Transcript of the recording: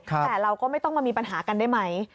แต่เราก็ไม่ต้องมามีปัญหากันได้ไหม